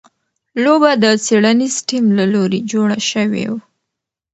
لوبه د څېړنیز ټیم له لوري جوړه شوې.